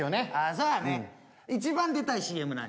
そうやね一番出たいＣＭ何？